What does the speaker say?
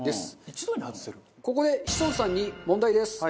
ここで志尊さんに問題です。